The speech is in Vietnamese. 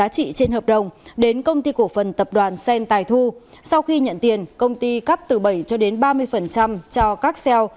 trên hợp đồng đến công ty cổ phần tập đoàn sen tài thu sau khi nhận tiền công ty cắt từ bảy cho đến ba mươi cho các xeo